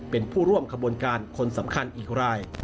เป็นผู้ร่วมขบวนการคนสำคัญอีกราย